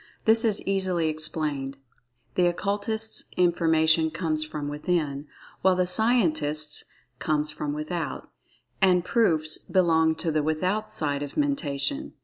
This is easily explained—the Occultist's information comes from "within," while the Scientist's comes from without—and "proofs" belong to the "without" side of Mentation.